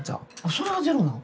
それはゼロなん？